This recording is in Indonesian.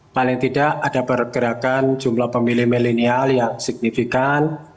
paling tidak ada pergerakan jumlah pemilih milenial yang signifikan